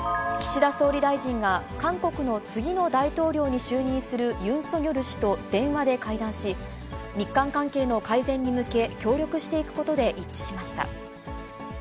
岸田総理大臣が、韓国の次の大統領に就任するユン・ソギョル氏と電話で会談し、日韓関係の改善に向け、協力していくことで一致しました。